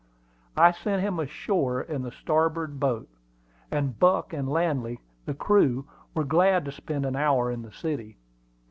I sent him ashore in the starboard boat; and Buck and Landy, the crew, were glad to spend an hour in the city.